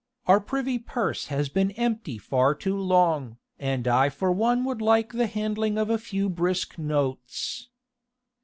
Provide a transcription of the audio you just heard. Our privy purse has been empty far too long, and I for one would like the handling of a few brisk notes."